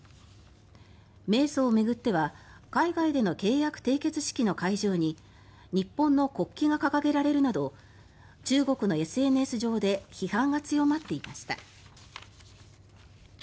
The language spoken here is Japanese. メイソウを巡っては海外での契約締結式の会場に日本の国旗が掲げられるなど中国のＳＮＳ上で批判が強まっていました。